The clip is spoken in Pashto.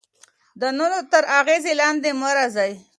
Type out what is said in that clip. د نورو تر اغیز لاندې مه راځئ.